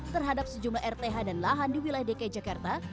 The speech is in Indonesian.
terhadap sejumlah rth dan lahan di wilayah dki jakarta